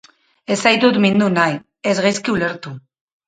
Ez zaitut mindu nahi, ez gaizki ulertu.